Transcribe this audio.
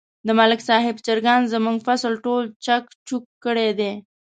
د ملک صاحب چرگانو زموږ فصل ټول چک چوک کړی دی.